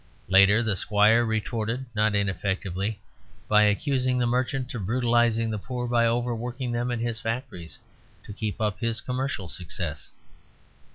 Later the squire retorted not ineffectively by accusing the merchant of brutalizing the poor by overworking them in his factories to keep up his commercial success.